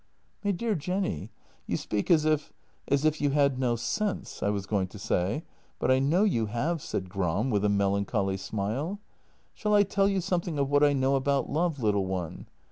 " My dear Jenny, you speak as if — as if you had no sense, I was going to say, but I know you have," said Gram, with a melancholy smile. " Shall I tell you something of what I know about love, little one?